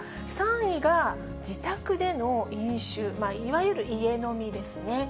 ３位が自宅での飲酒、いわゆる家飲みですね。